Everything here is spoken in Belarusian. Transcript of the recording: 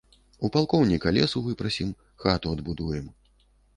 У палкоўніка лесу выпрасім, хату адбудуем.